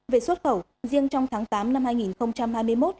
về xuất khẩu riêng trong tháng tám năm hai nghìn hai mươi một